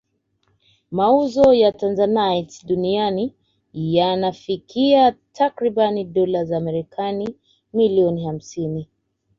Mauzo ya Tanzanite duniani yanafikia takribani dola za Marekani milioni hamsini